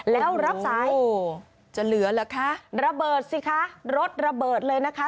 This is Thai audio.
แล้วรับสายจะเหลือเหรอคะระเบิดสิคะรถระเบิดเลยนะคะ